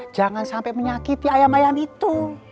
jangan sampai menyakiti ayam ayam itu